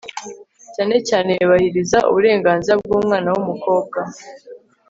cyane cyane yubahiriza uburenganzira bw'umwana w'umukobwa